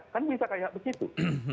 kan bisa kayak begitu